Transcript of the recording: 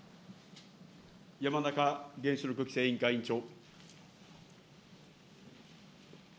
山中原子力規制委員会委員長。